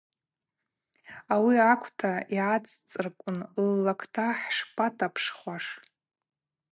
Ауи акӏвта йгӏацӏцӏырквын ллакта хӏшпатапшхуаш.